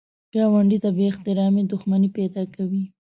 ګاونډي ته بې احترامي دښمني پیدا کوي